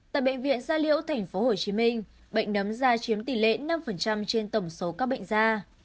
tại bệnh viện gia liễu tp hcm bệnh nấm da chiếm tỷ lệ năm trên tổng số các bệnh da